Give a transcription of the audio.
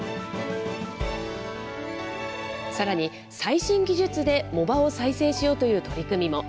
さらに、最新技術で藻場を再生しようという取り組みも。